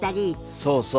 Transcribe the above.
そうそう。